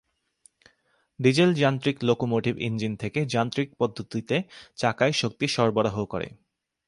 ডিজেল-যান্ত্রিক locomotive engine থেকে যান্ত্রিক পদ্ধতিতে চাকায় শক্তি সরবরাহ করে।